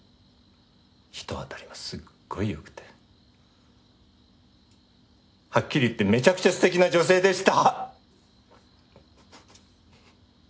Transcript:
人当たりもすっごいよくてハッキリ言ってめちゃくちゃすてきな女性でした。